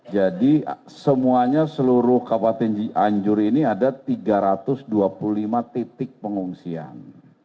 jadi semuanya seluruh kabupaten cianjur ini ada tiga ratus dua puluh lima titik pengungsian